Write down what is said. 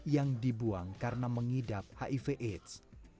yang dibuang karena mengidap hiv aids